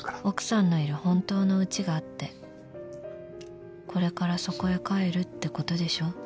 ［奥さんのいる本当のうちがあってこれからそこへ帰るってことでしょ］